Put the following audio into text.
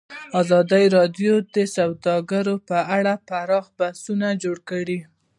ازادي راډیو د سوداګري په اړه پراخ بحثونه جوړ کړي.